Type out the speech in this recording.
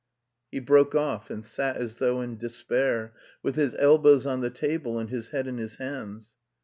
He broke off, and sat as though in despair, with his elbows on the table and his head in his hands.